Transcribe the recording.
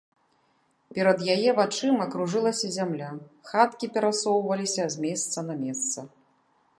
Перад яе вачыма кружылася зямля, хаткі перасоўваліся з месца на месца.